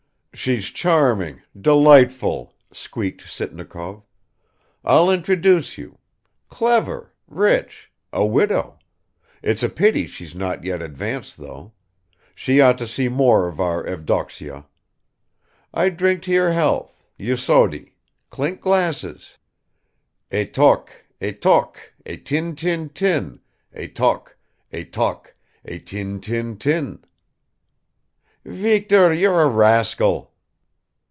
"She's charming, delightful," squeaked Sitnikov. "I'll introduce you. Clever, rich, a widow. It's a pity she's not yet advanced enough; she ought to see more of our Evdoksya. I drink to your health, Eudoxie, clink glasses! Et toc et toc et tin tin tin! Et toc, et toc, et tin tin tin!" "Viktor, you're a rascal!"